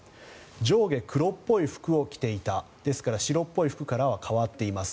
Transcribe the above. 上下黒っぽい服を着ていたですから、白っぽい服からは変わっています。